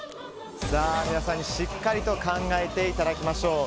皆さんにしっかりと考えていただきましょう。